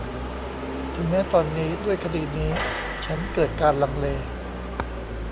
ถึงแม้ตอนนี้ ด้วยคดีนี้ ฉันเกิดการลังเล